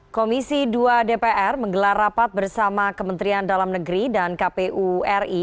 komisi dua dpr menggelar rapat bersama kementerian dalam negeri dan kpu ri